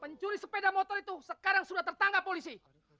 pencuri sepeda motor itu sekarang sudah tertangkap polisi